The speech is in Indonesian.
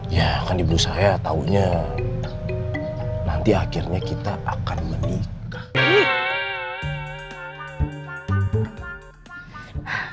ya kan ibu saya tahunya nanti akhirnya kita akan menikah